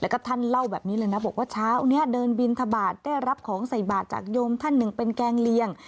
แล้วก็ท่านเล่าแบบนี้เลยนะบอกว่าเช้านี้เดินบินทบาทได้รับของใส่บาทจากโยมท่านหนึ่งเป็นแกงเลียง